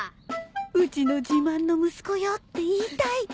うちの自慢の息子よって言いたい